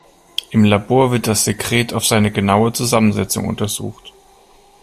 Im Labor wird das Sekret auf seine genaue Zusammensetzung untersucht.